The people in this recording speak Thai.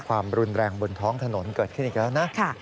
ความรุนแรงบนท้องถนนเกิดขึ้นอีกแล้วนะ